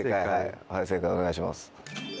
正解お願いします。